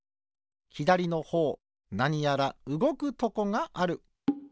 ひだりのほうなにやらうごくとこがある。